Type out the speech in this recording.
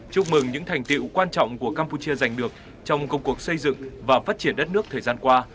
chúc mừng những thành tiệu quan trọng của campuchia giành được trong công cuộc xây dựng và phát triển đất nước thời gian qua